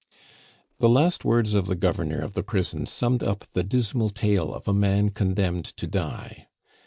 The last words of the governor of the prison summed up the dismal tale of a man condemned to die.